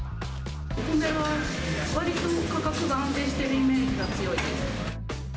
お米はわりと価格が安定しているイメージが強いです。